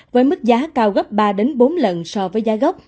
với mức giá cao gấp ba bốn lần so với giá gốc